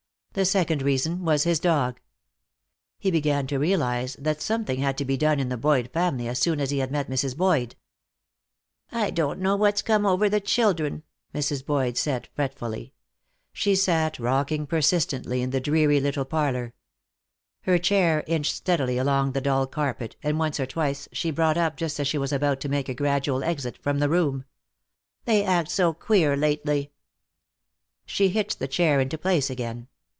The second reason was his dog. He began to realize that something had to be done in the Boyd family as soon as he had met Mrs. Boyd. "I don't know what's come over the children," Mrs. Boyd said, fretfully. She sat rocking persistently in the dreary little parlor. Her chair inched steadily along the dull carpet, and once or twice she brought up just as she was about to make a gradual exit from the room. "They act so queer lately." She hitched the chair into place again.